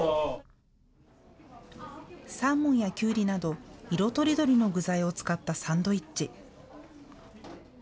サーモンやキュウリなど、色とりどりの具材を使ったサンドイッチ。